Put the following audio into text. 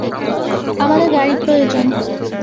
আমাদের গাড়ি প্রয়োজন।